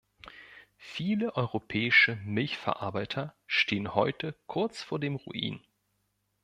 Viele europäische Milchverarbeiter stehen heute kurz vor dem Ruin.